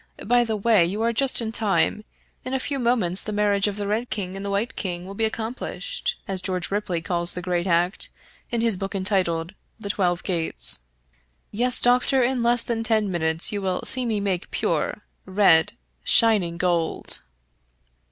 By the way, you are just in time. In a few moments the marriage of the Red King and White Queen will be accomplished, as George Ripley calls the great act, in his book entitled * The Twelve Gates.' Yes, doctor, in less than ten minutes you will see me make pure, red, shining gold